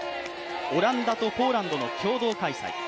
オランダとポーランドの共同開催。